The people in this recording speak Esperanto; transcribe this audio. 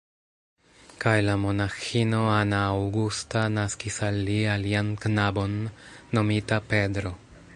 Kaj la monaĥino Ana Augusta naskis al li alian knabon nomita Pedro.